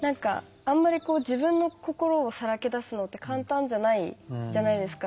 自分の心をさらけ出すって簡単じゃないじゃないですか。